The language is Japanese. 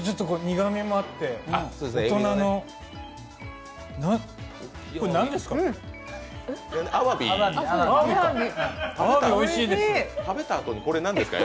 苦みもあって大人のこれ、何ですか。